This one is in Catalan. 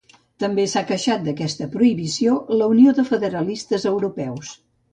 També s'ha queixat d'aquesta prohibició la Unió de Federalistes Europeus